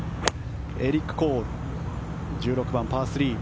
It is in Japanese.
エリック・コール１６番、パー３。